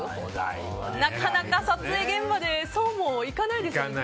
なかなか撮影現場でそうもいかないですよね。